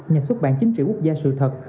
nhà xuất bản chính trị quốc gia sự thật